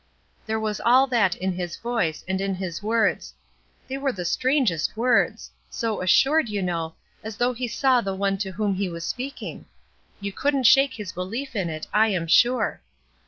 There was all that in his voice, and in his words. They were the strangest words! so assured, you know, as though he saw the one to whom he was speaking. You couldn't shake his belief in it, I am sure.